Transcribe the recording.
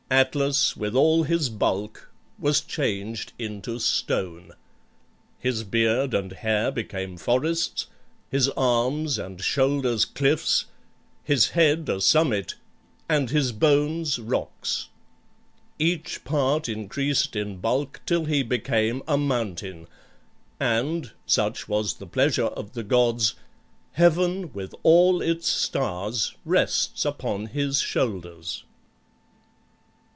Atlas, with all his bulk, was changed into stone. His beard and hair became forests, his arms and shoulders cliffs, his head a summit, and his bones rocks. Each part increased in bulk till he became a mountain, and (such was the pleasure of the gods) heaven with all its stars rests upon his shoulders.